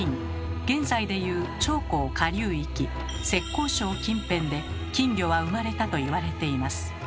現在でいう長江下流域浙江省近辺で金魚は生まれたといわれています。